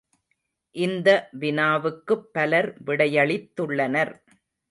இந்த வினாவுக்குப் பலர் விடையளித்துள்ளனர்.